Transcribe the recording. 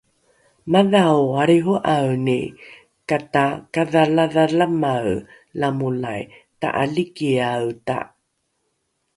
madhao alriho’aeni ka takadhaladhalalamae lamolai ta’alikiaeta